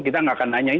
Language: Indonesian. kita tidak akan nanya